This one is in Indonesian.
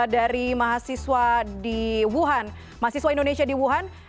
dari mahasiswa di wuhan mahasiswa indonesia di wuhan